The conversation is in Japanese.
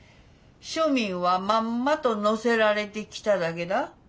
庶民はまんまと乗せられてきただけだ。